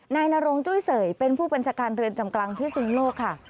นายนรงจุ้ยเสยเป็นผู้บัญชาการเรือนจำกลางพิสุนโลกค่ะ